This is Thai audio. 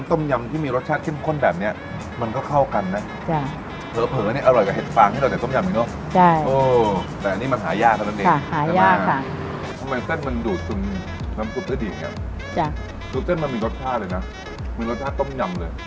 ต้องซึมเข้าในเส้นเลย